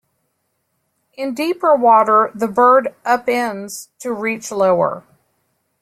In deeper water the bird up-ends to reach lower.